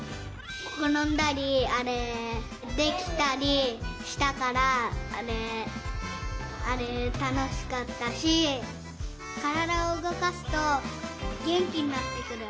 ころんだりあれできたりしたからあれあれたのしかったしからだをうごかすとげんきになってくる。